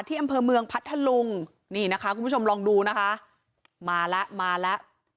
ที่อำเภอเมืองพัทลุงนี่นะคะคุณผู้ชมลองดูนะคะ